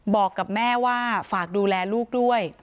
บอกกับแม่ว่าฝากดูแลลูกด้วย